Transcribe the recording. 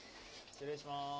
失礼します。